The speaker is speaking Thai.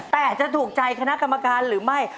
แต่จะถูกใจคณะกรรมการหรือไม่